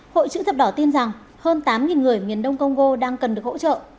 hội chữ thập đỏ tin rằng hơn tám người miền đông công gô đang cần được hỗ trợ